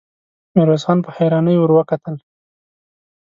ميرويس خان په حيرانۍ ور وکتل.